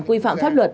quy phạm pháp luật